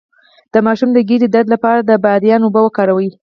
د ماشوم د ګیډې درد لپاره د بادیان اوبه وکاروئ